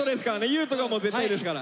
優斗がもう絶対ですから。